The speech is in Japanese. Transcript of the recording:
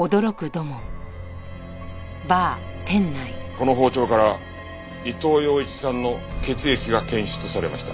この包丁から伊藤洋市さんの血液が検出されました。